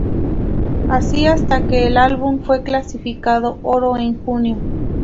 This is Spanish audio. Así hasta que el álbum fue calificado oro en junio.